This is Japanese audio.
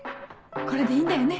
これでいいんだよね。